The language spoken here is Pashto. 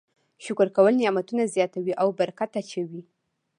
شکر کول نعمتونه زیاتوي او برکت اچوي.